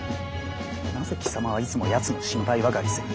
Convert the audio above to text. なぜ貴様はいつもやつの心配ばかりする？